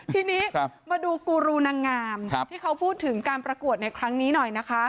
ทีนี้มาดูกูรูนางงามที่เขาพูดถึงการประกวดในครั้งนี้หน่อยนะคะ